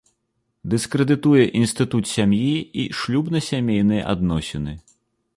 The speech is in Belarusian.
Дыскрэдытуе інстытут сям'і і шлюбна-сямейныя адносіны.